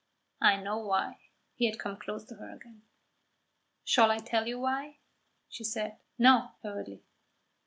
"I know why." He had come close to her again. "Shall I tell you why?" She said "No," hurriedly.